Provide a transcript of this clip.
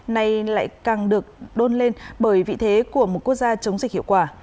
nay lại càng được đôn lên bởi vị thế của một quốc gia chống dịch hiệu quả